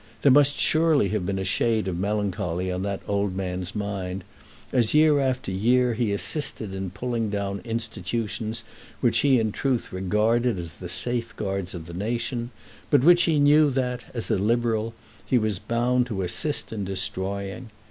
There must surely have been a shade of melancholy on that old man's mind as, year after year, he assisted in pulling down institutions which he in truth regarded as the safeguards of the nation; but which he knew that, as a Liberal, he was bound to assist in destroying!